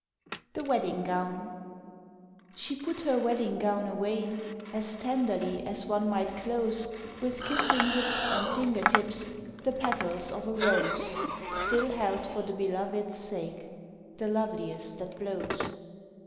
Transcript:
_ THE WEDDING GOWN She put her wedding gown away As tenderly as one might close, With kissing lips and finger tips, The petals of a rose Still held for the Belovèd's sake The loveliest that blows.